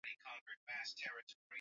Niko Nairobi